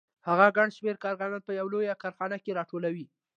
هغه ګڼ شمېر کارګران په یوه لویه کارخانه کې راټولوي